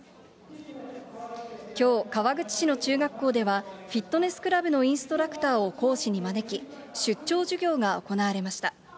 きょう、川口市の中学校では、フィットネスクラブのインストラクターを講師に招き、出張授業が行われました。